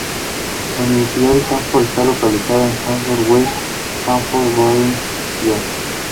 La Universidad de Hartford está localizada en Hartford, West Hartford, y Bloomfield.